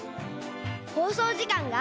ほうそうじかんが。